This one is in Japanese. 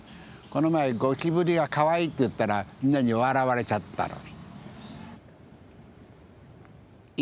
この前ゴキブリは「かわいい」って言ったらみんなに笑われちゃったの。